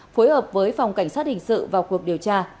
phối hợp với phòng cảnh sát hình sự vào cuộc điều tra